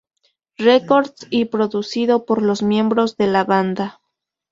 Records y producido por los miembros de la banda.